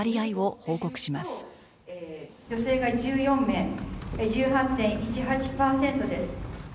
女性が１４名１８．１８パーセントです。